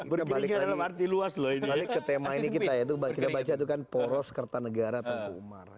jadi berbalik lagi luas lo ini ke tema ini kita itu bagi baca itu kan poros kertanegara tenggumar